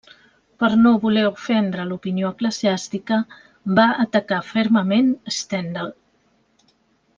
Per no voler ofendre l'opinió eclesiàstica, va atacar fermament Stendhal.